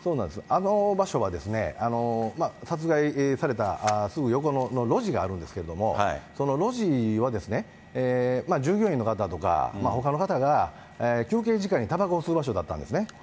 あの場所は、殺害されたすぐ横の路地があるんですけれども、その路地は従業員の方とかほかの方が休憩時間にたばこを吸う場所だったんですね。